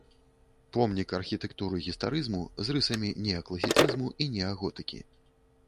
Помнік архітэктуры гістарызму з рысамі неакласіцызму і неаготыкі.